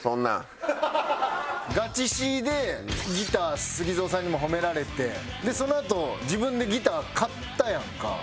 ＧＡＣＨＩＳＥＡでギターＳＵＧＩＺＯさんにも褒められてそのあと自分でギター買ったやんか。